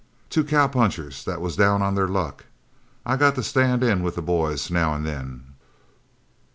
"Two cowpunchers that was down on their luck. I got to stand in with the boys now and then."